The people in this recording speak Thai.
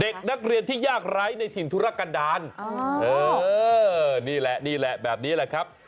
เด็กนักเรียนที่ยากไร้ในถิ่นธุรกันดาลนี่แหละนี่แหละแบบนี้แหละครับ